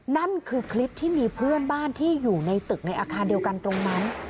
นั่นคือคลิปที่มีเพื่อนบ้านที่อยู่ในตึกในอาคารเดียวกันตรงนั้น